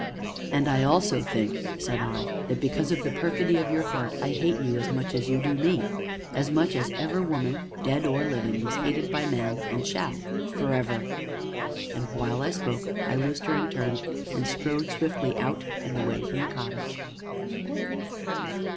"And I also think," said I, "that, because of the perfidy of your heart, I hate you as much as you do me as much as ever woman, dead or living, was hated by man and shall forever!" And, while I spoke, I loosed her and turned, and strode swiftly out and away from the cottage.